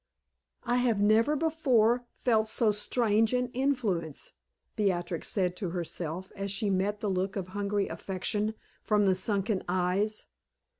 "I have never before felt so strange an influence," Beatrix said to herself, as she met the look of hungry affection from the sunken eyes.